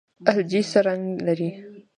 الجی څه رنګ لري؟